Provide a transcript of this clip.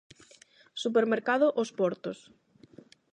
Supermercado Os Portos.